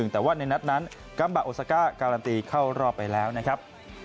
แต่ว่าในนัดนั้นกัมบาโอซาก้าการันตีเข้ารอบไปแล้วนะครับ